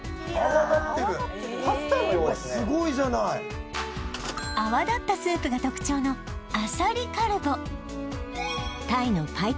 うわっスゴいじゃない泡立ったスープが特徴のあさりカルボ